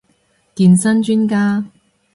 健身專家